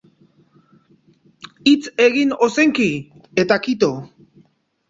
Hitz egin ozenki, eta kito.